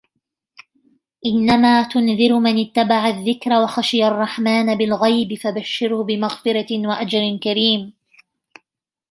إنما تنذر من اتبع الذكر وخشي الرحمن بالغيب فبشره بمغفرة وأجر كريم